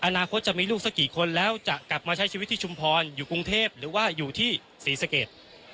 อนาคตจะมีลูกสักกี่คนแล้วจะกลับมาใช้ชีวิตที่ชุมพรอยู่กรุงเทพหรือว่าอยู่ที่ศรีสเกต